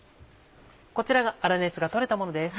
こちらが粗熱が取れたものです。